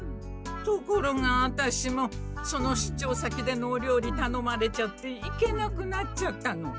ところがワタシもその出張先でのお料理たのまれちゃって行けなくなっちゃったの。